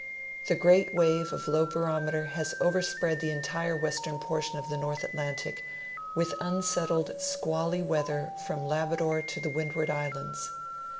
The great wave of low barometer has over spread the entire western portion of the North Atlantic, with un settled squally weather from, Labrador to the Windward Islands.